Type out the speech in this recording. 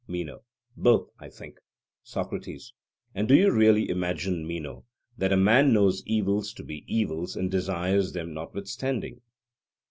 MENO: Both, I think. SOCRATES: And do you really imagine, Meno, that a man knows evils to be evils and desires them notwithstanding?